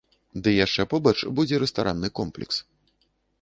Ды яшчэ побач будзе рэстаранны комплекс.